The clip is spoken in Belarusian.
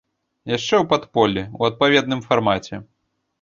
Яшчэ ў падполлі, у адпаведным фармаце.